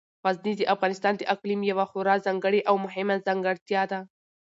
غزني د افغانستان د اقلیم یوه خورا ځانګړې او مهمه ځانګړتیا ده.